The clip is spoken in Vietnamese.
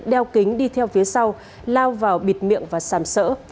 đeo kính đi theo phía sau lao vào bịt miệng và xàm sỡ